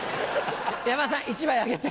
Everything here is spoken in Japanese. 山田さん１枚あげて。